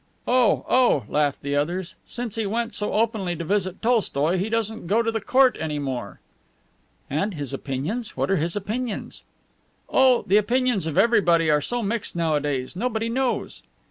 "Oh, oh!" laughed the others. "Since he went so openly to visit Tolstoi he doesn't go to the court any more." "And his opinions? What are his opinions?" "Oh, the opinions of everybody are so mixed nowadays, nobody knows."